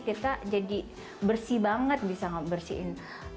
kita jadi bersih banget bisa bersihin